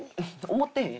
思ってへんやん。